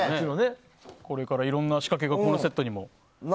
これからいろんな仕掛けがこのセットにも、もうすでに。